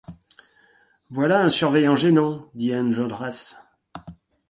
Voilà un surveillant gênant, dit Enjolras.